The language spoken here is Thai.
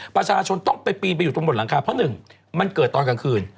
ประชาชนต้องไปปีนไปอยู่ตรงบนหลังคาเพราะหนึ่งมันเกิดตอนกลางคืน